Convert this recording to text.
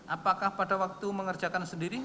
apakah pada waktu mengerjakan sendiri